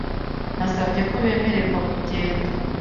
Nasabye ko bemererwa kugenda .